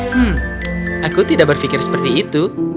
hmm aku tidak berpikir seperti itu